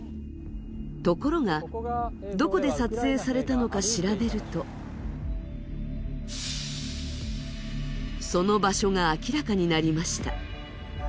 ところが、どこで撮影されたのか調べるとその場所が明らかになりました。